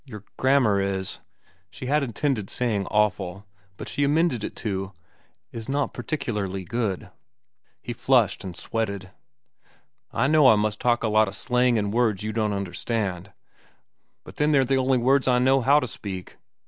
Your grammar is—" She had intended saying "awful," but she amended it to "is not particularly good." He flushed and sweated. "I know I must talk a lot of slang an' words you don't understand. But then they're the only words I know—how to speak.